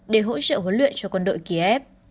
để hỗ trợ huấn luyện cho quân đội kiev